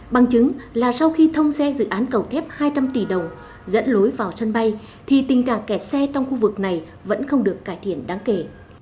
bằng chứng là sau khi thông xe dự án cầu kép hai trăm linh tỷ đồng dẫn lối vào sân bay thì tình cảm kẹt xe trong khu vực này vẫn không được cải thiện đáng kể